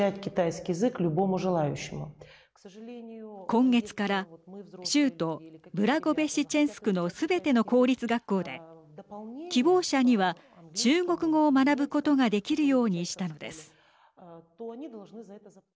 今月から州都ブラゴべシチェンスクのすべての公立学校で希望者には中国語を学ぶことができるようにしたのです。